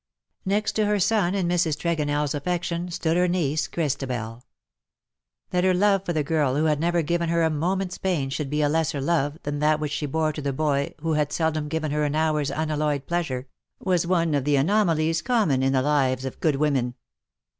Next to her son in Mrs. TregonelFs affection stood her niece Christabel. That her love for the girl who had never given her a moment's pain should be a lesser love than that which she bore to the boy who had seldom given her an hour''s un alloyed pleasure was one of the anomalies common 24 THE DAYS THAT ARE NO MORE. in the lives of good women.